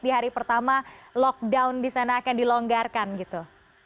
di hari pertama lockdown di sana akan dilonggarkan gitu